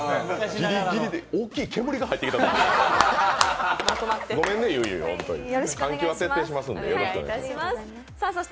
ギリギリで、大きい煙が入ってきたのかと思いました。